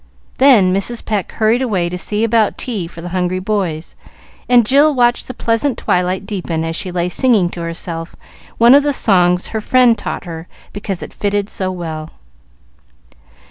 Then Mrs. Pecq hurried away to see about tea for the hungry boys, and Jill watched the pleasant twilight deepen as she lay singing to herself one of the songs her friend taught her because it fitted her so well.